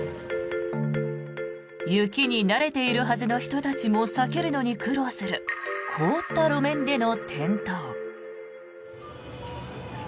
雪に慣れているはずの人たちも避けるのに苦労する凍った路面での転倒。